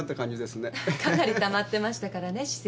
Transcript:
かなり溜まってましたからね歯石。